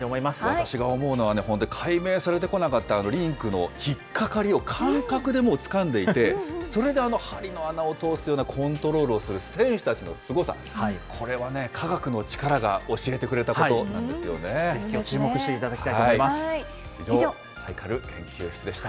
私が思うのはね、本当、解明されてこなかったリンクの引っ掛かりを感覚でもうつかんでいて、それであの針の穴を通すようなコントロールをする選手たちのすごさ、これはね、科学の力が教えてぜひきょう、注目していただ以上、サイカル研究室でした。